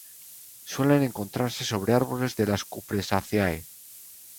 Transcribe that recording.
Suelen encontrarse sobre árboles de las Cupressaceae.